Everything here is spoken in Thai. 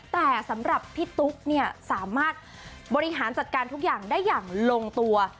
แต่สำหรับพี่ตุ๊กเนี่ยสามารถบริหารจัดการทุกอย่างได้อย่างลงตัว